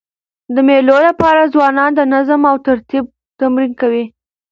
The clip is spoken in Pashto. د مېلو له پاره ځوانان د نظم او ترتیب تمرین کوي.